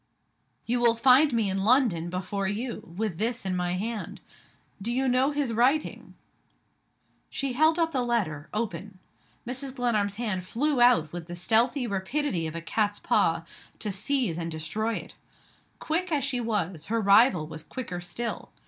"You will find me in London, before you with this in my hand. Do you know his writing?" She held up the letter, open. Mrs. Glenarm's hand flew out with the stealthy rapidity of a cat's paw, to seize and destroy it. Quick as she was, her rival was quicker still.